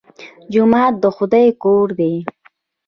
جومات د خدای کور دی